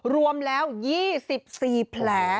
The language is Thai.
รวมแล้ว๒๔แผล